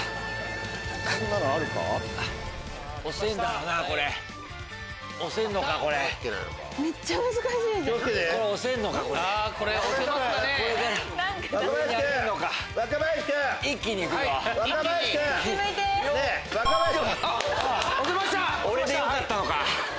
ピンポンこれでよかったのか。